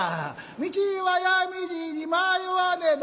「道は闇路に迷わねど」